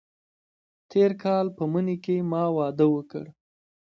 تېر کال په مني کې ما واده وکړ.